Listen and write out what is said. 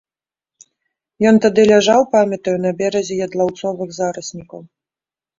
Ён тады ляжаў, памятаю, на беразе ядлаўцовых зараснікаў.